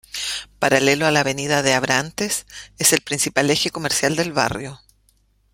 Paralelo a la Avenida de Abrantes, es el principal eje comercial del barrio.